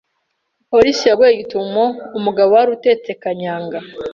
Polisi yaguye gitumo umugabo wari utetse kanyanga,